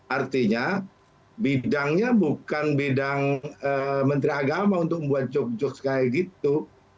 artinya bidangnya bukan bidang menteri agama untuk membuat joke jokes kayak gitu